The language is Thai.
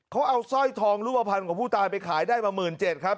เขาเอาสร้อยทองรูปภัณฑ์ของผู้ตายไปขายได้มา๑๗๐๐ครับ